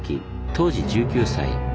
当時１９歳。